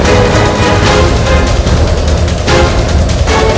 aku akan menangkapmu